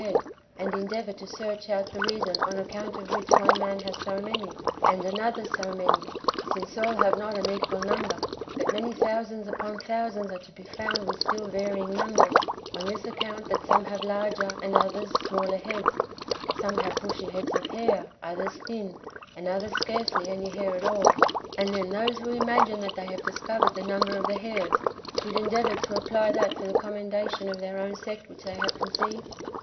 head, and endeavour to searcli out the reason on account of which one man has so many, and another so many, since all have not an equal number, but many thousands upon thousands are to be found with still varying numbers, on this account that some have larger and others smaller heads, some liave bushy heads of hair, others thin, and others scarcely any hair at all, — and then those who imagine that they have discovered the number of the hairs, should endeavour to apply that for the commendation of their own sect which they have conceived